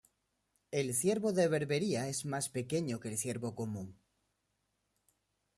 El ciervo de Berbería es más pequeño que el ciervo común.